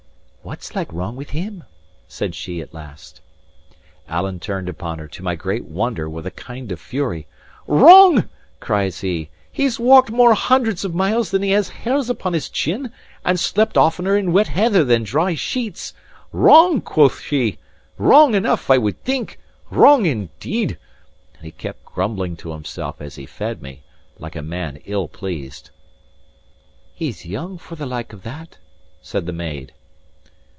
"What's like wrong with him?" said she at last. Alan turned upon her, to my great wonder, with a kind of fury. "Wrong?" cries he. "He's walked more hundreds of miles than he has hairs upon his chin, and slept oftener in wet heather than dry sheets. Wrong, quo' she! Wrong enough, I would think! Wrong, indeed!" and he kept grumbling to himself as he fed me, like a man ill pleased. "He's young for the like of that," said the maid.